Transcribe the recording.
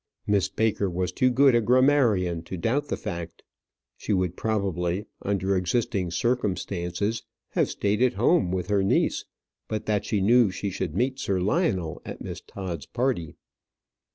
Miss Baker was too good a grammarian to doubt the fact. She would probably, under existing circumstances, have stayed at home with her niece, but that she knew she should meet Sir Lionel at Miss Todd's party.